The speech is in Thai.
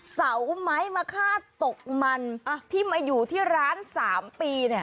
สาวไหมมาฆ่าตกมันที่มาอยู่ที่ร้านสามปี